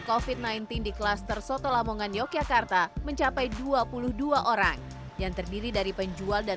kofit sembilan belas di klaster soto lamongan yogyakarta mencapai dua puluh dua orang yang terdiri dari penjual dan